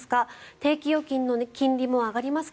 定期預金に金利も上がりますか？